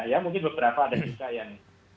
ya mungkin beberapa ada juga yang